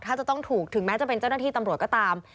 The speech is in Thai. ถ้าจะต้องถูกถึงแม้จะเป็นเจ้าหน้าที่ตำรวจก็ตาม